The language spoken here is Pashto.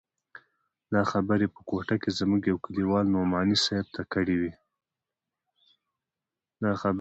دا خبرې په کوټه کښې زموږ يوه کليوال نعماني صاحب ته کړې وې.